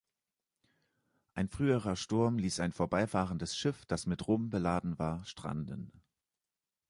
Ein früherer Sturm ließ ein vorbeifahrendes Schiff, das mit Rum beladen war, stranden.